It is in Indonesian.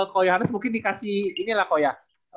koya hannes mungkin dikasih inilah koya